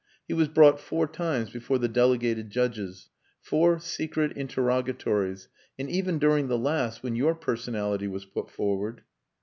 He was brought four times before the delegated judges. Four secret interrogatories and even during the last, when your personality was put forward...."